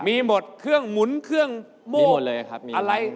มีหมดเครื่องหมุนเครื่องโม้อะไรครับมีหมดเลยครับ